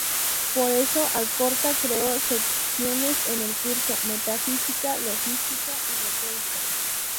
Por eso Alcorta creó secciones en el curso; Metafísica, Lógica y Retórica.